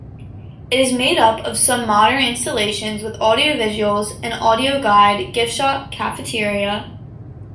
It is made up of some modern installations with audiovisuals, an audio-guide, gift shop, cafeteria...